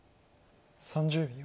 ３０秒。